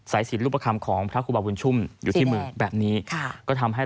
สินรูปคำของพระครูบาบุญชุ่มอยู่ที่มือแบบนี้ค่ะก็ทำให้